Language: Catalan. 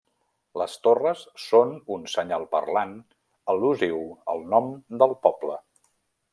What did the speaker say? Les torres són un senyal parlant al·lusiu al nom del poble.